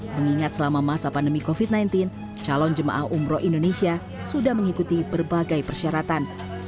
mengingat selama masa pandemi covid sembilan belas calon jemaah umroh indonesia sudah mengikuti berbagai persyaratan